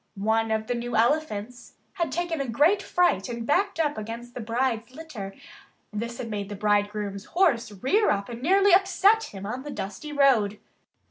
One of the new elephants had taken a great fright and backed up against the bride's litter. This had made the bridegroom's horse rear up and nearly upset him on the dusty road.